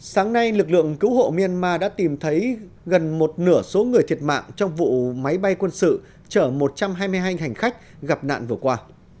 sáng nay lực lượng cứu hộ myanmar đã tìm thấy gần một nửa số người thiệt mạng trong vụ máy bay quân sự chở một trăm hai mươi hai hành khách gặp nạn vừa qua